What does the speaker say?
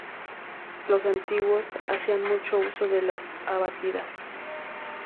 Los antiguos hacían mucho uso de las abatidas.